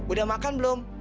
udah makan belum